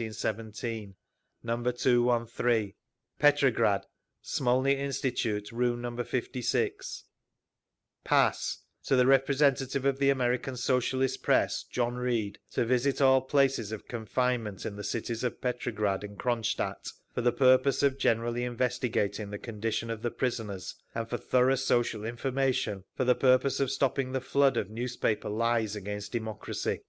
No. 213 Petrograd, Smolny Institute, room No. 56— PASS To the representative of the American Socialist press, JOHN REED, to visit all places of confinement in the cities of Petrograd and Cronstadt, for the purpose of generally investigating the condition of the prisoners, and for thorough social information for the purpose of stopping the flood of newspaper lies against demorcracy.